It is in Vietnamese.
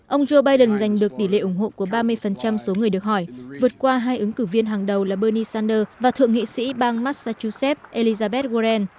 ông joe biden giành được tỷ lệ ủng hộ của ba mươi số người được hỏi vượt qua hai ứng cử viên hàng đầu là bernie sanders và thượng nghị sĩ bang massachus elizabeth world